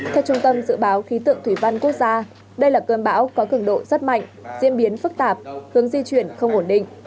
theo trung tâm dự báo khí tượng thủy văn quốc gia đây là cơn bão có cường độ rất mạnh diễn biến phức tạp hướng di chuyển không ổn định